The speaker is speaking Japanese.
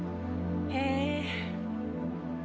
へえ。